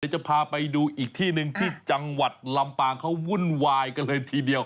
จะพาไปดูอีกที่หนึ่งที่จังหวัดลำปางเขาวุ่นวายกันเลยทีเดียว